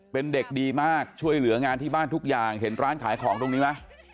เป็นเด็กดีมากช่วยเหลืองานที่บ้านทุกอย่างเห็นร้านขายของตรงนี้ไหม